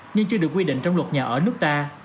nhưng chưa được quy định trong luật nhà ở nước ta